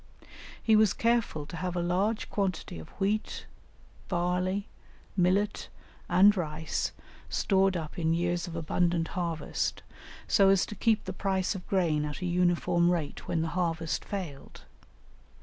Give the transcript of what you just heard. He was careful to have a large quantity of wheat, barley, millet, and rice, stored up in years of abundant harvest, so as to keep the price of grain at a uniform rate when the harvest failed.